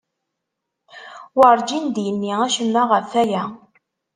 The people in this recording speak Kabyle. Werǧin d-yenni acemma ɣef waya.